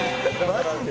マジで？